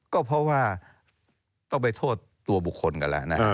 ก็เพราะว่าต้องไปโทษตัวบุคคลกันแล้วนะ